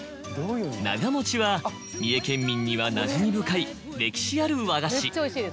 なが餅は三重県民にはなじみ深い歴史ある和菓子。